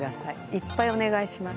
いっぱいお願いします。